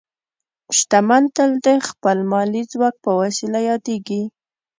شتمن تل د خپل مالي ځواک په وسیله یادېږي.